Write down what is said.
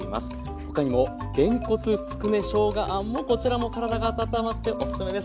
他にもげんこつつくねしょうがあんもこちらも体が温まっておすすめです。